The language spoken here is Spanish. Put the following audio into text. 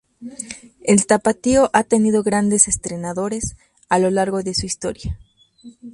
El Tapatío ha tenido grandes entrenadores a lo largo de su historia.